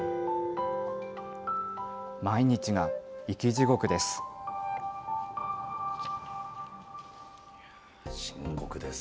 毎日が生き地獄です。